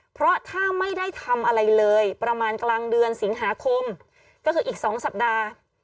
เพราะถ้าไม่ได้ทำอะไรเลยประมาณกลางเดือนสิงหาคมก็คืออีก๒สัปดาห์